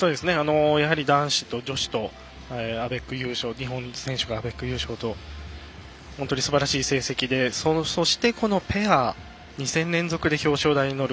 男子と女子と日本選手がアベック優勝と本当にすばらしい成績でそして、このペア２戦連続で表彰台に乗る。